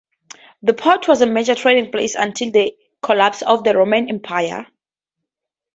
The port was a major trading place until the collapse of the Roman Empire.